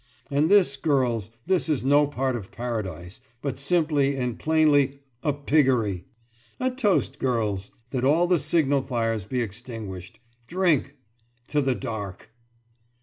And this, girls, this is no part of paradise, but simply and plainly a piggery! A toast, girls! That all the signal fires be extinguished. Drink! To the Dark!